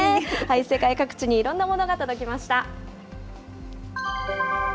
世界各地にいろんなものが届きました。